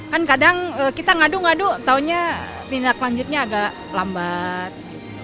kan kadang kita ngadu ngadu taunya tindak lanjutnya agak lambat